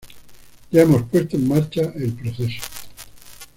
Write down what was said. Ya hemos puesto en marcha el proceso.